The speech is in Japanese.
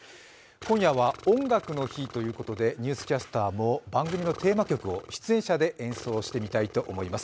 今夜は「音楽の日」ということで「ニュースキャスター」も、番組のテーマ曲を、出演者で演奏してみたいと思います。